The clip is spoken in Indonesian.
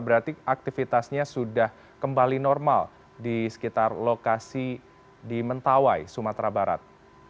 berarti aktivitasnya sudah kembali normal di sekitar lokasi di mentawai sumatera barat